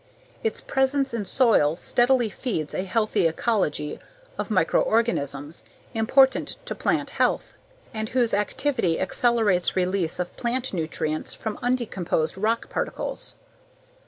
Its presence in soil steadily feeds a healthy ecology of microorganisms important to plant health, and whose activity accelerates release of plant nutrients from undecomposed rock particles.